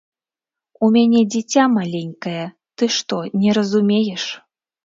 У мяне дзіця маленькае, ты што, не разумееш?